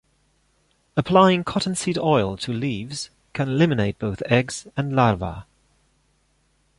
Applying cottonseed oil to leaves can eliminate both eggs and larva.